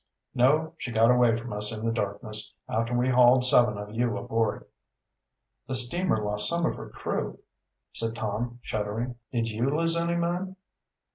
"No, she got away from us in the darkness, after we hauled seven of you aboard." "The steamer lost some of her crew," said Tom, shuddering. "Did you lose any men?"